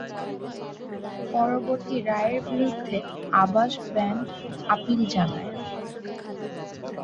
পরবর্তীতে রায়ের বিরুদ্ধে আভাস ব্যান্ড আপিল জানায়।